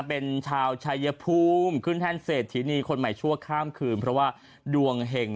เป็นชาวชายภูมิขึ้นแท่นเศรษฐีนีคนใหม่ชั่วข้ามคืนเพราะว่าดวงเห็ง